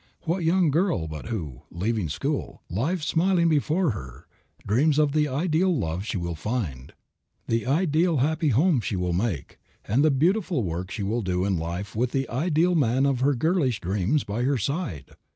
What young girl but who, leaving school, life smiling before her, dreams of the ideal love she will find, the ideal happy home she will make, and the beautiful work she will do in life with the ideal man of her girlish dreams by her side?